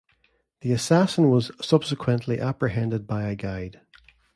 The assassin was subsequently apprehended by a Guide.